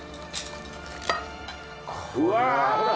うわ！ほら！